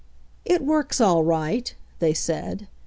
"It works, all right," they said.